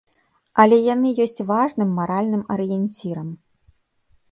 Але яны ёсць важным маральным арыенцірам.